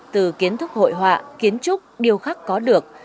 từ kiến thức hội họa kiến trúc điều khắc có được